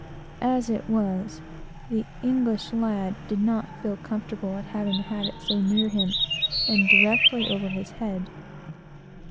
As it was, the English lad did not feel comfortably at having had it so near him, and directly over his head.